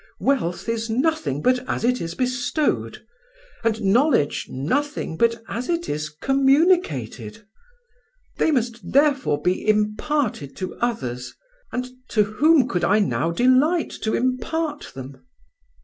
Wealth is nothing but as it is bestowed, and knowledge nothing but as it is communicated. They must therefore be imparted to others, and to whom could I now delight to impart them?